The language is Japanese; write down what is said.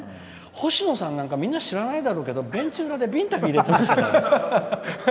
星野さんなんかみんな知らないだろうけどベンチ裏でビンタ入れてましたからね。